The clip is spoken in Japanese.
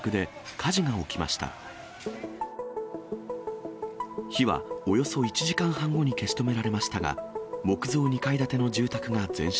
火はおよそ１時間半後に消し止められましたが、木造２階建ての住宅が全焼。